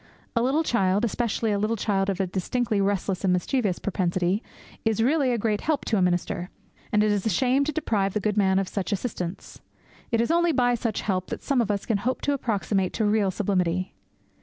A little child, especially a little child of a distinctly restless and mischievous propensity, is really a great help to a minister, and it is a shame to deprive the good man of such assistance. It is only by such help that some of us can hope to approximate to real sublimity.